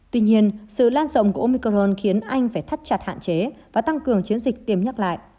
tuy nhiên sự lan rộng của omicron khiến anh phải thắt chặt hạn chế và tăng cường chiến dịch tiêm nhắc lại